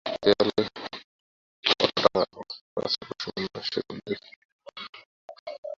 দেয়ালে কয়েকটা ছবি আর ফটো টাঙানো আছে, কুসুম অন্যমনস্কের মতো সেগুলি দেখিল।